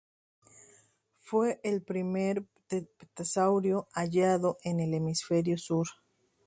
Fue el primer pterosaurio hallado en el hemisferio sur.